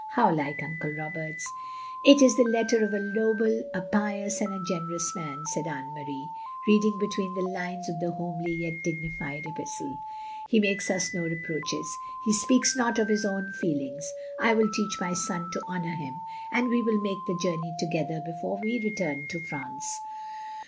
How like Uncle Roberts." " It is the letter of a noble, a pious, and a gen erous man, " said Anne Marie, reading between the lines of the homely yet dignified epistle. "He makes us no reproaches. He speaks not of his own feelings. I will teach my son to honour him, and we will make the journey together before we return to France.